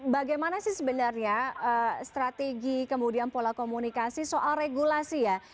bagaimana sih sebenarnya strategi kemudian pola komunikasi soal regulasi ya